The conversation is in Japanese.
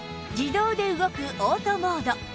自動で動くオートモード